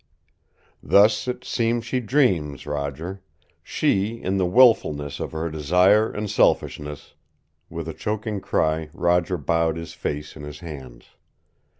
"Thus it seems she dreams, Roger. She, in the wilfulness of her desire and selfishness " With a choking cry Roger bowed his face in his hands.